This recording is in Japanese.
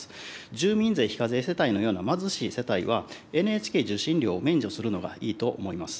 住民税非課税世帯のような貧しい世帯は、ＮＨＫ受信料を免除するのがいいと思います。